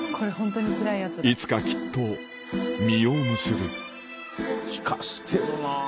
いつかきっと実を結ぶ効かしてるな。